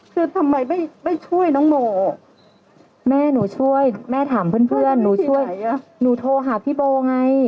คือทำไมไม่ช่วยน้องโมแม่หนูช่วยแม่ถามเพื่อนหนูช่วยหนูโทรหาพี่โบไง